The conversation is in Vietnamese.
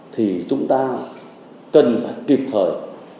thì chúng ta cần phải kịp thời